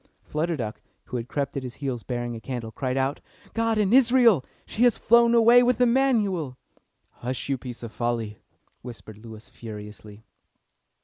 Flutter Duck, who had crept at his heels bearing a candle, cried out, "God in Israel! She has flown away with Emanuel." "Hush, you piece of folly!" whispered Lewis furiously.